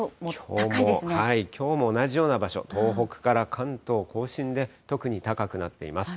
きょうも同じような場所、東北から関東甲信で、特に高くなっています。